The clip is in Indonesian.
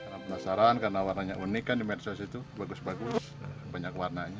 karena penasaran karena warnanya unik kan di media sosial itu bagus bagus banyak warnanya